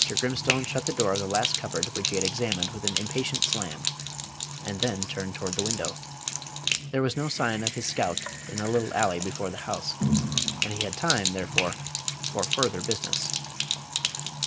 Grimstone shut the door of the last cupboard which he had examined with an impatient slam, and then turned toward the window. There was no sign of his scout in the little alley before the house, and he had time, therefore, for further business.